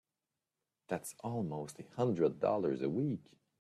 That's almost a hundred dollars a week!